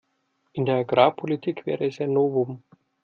In der Agrarpolitik wäre es ein Novum.